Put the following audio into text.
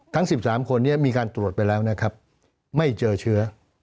ทั้ง๑๓คนมีการตรวจไปแล้วไม่เจอเชื้อ